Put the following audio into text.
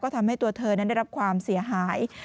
ทำให้ตัวเธอนั้นได้รับความเสียหาย